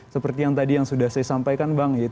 seperti yang tadi yang sudah saya sampaikan bang